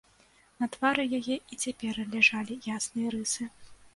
На твары яе і цяпер ляжалі ясныя рысы.